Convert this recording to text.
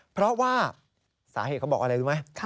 เพราะว่าสาเหตุเขาบอกอะไรรู้ไหม